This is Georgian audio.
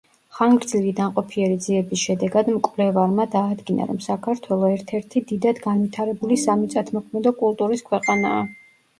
ხანგრძლივი ნაყოფიერი ძიების შედეგად მკვლევარმა დაადგინა, რომ საქართველო ერთ-ერთი დიდად განვითარებული სამიწათმოქმედო კულტურის ქვეყანაა.